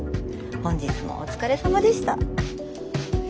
本日もお疲れ様でした」。